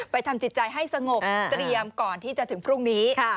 ทำจิตใจให้สงบเตรียมก่อนที่จะถึงพรุ่งนี้